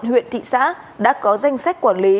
huyện thị xã đã có danh sách quản lý